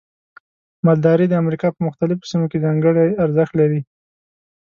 مالداري د امریکا په مختلفو سیمو کې ځانګړي ارزښت لري.